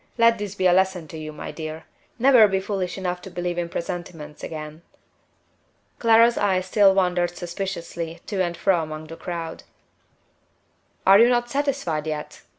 Let this be a lesson to you, my dear. Never be foolish enough to believe in presentiments again." Clara's eyes still wandered suspiciously to and fro among the crowd. "Are you not satisfied yet?"